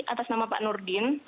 atas nama pak nurdin